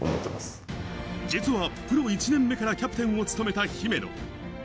実はプロ１年目からキャプテンを務めた姫野。